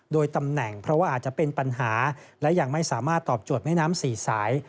โดยตำแหน่งเพราะว่าอาจจะเป็นปัญหาและยังไม่สามารถตอบโจทย์แม่น้ำสี่สาย